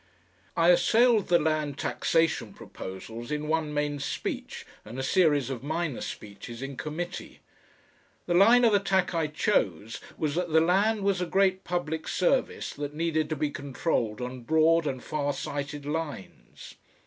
I assailed the land taxation proposals in one main speech, and a series of minor speeches in committee. The line of attack I chose was that the land was a great public service that needed to be controlled on broad and far sighted lines.